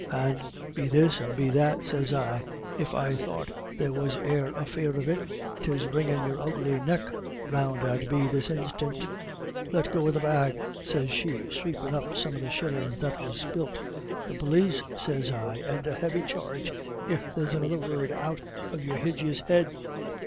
And 'Be this and be that,' sez I, 'if I thought there was e'er a fear of it, 'tis wringin' your ugly neck round I'd be this instiant.' 'Let go of that bag,' sez she, sweepin' up some of the shillin's that was spilt. 'The pólis,' sez I, 'and a heavy charge, if there's another word out of your hijjis head.'